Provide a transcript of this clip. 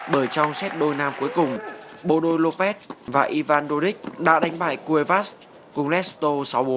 bởi trong set đôi nam cuối cùng bộ đôi lopez và ivan burdick đã đánh bại cuevas cùng nesto sáu bốn